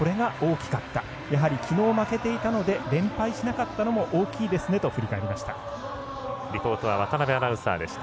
きのう負けていたので連敗しなかったことも大きいですねと振り返りました。